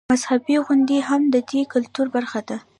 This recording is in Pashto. مذهبي غونډې هم د دې کلتور برخه ده.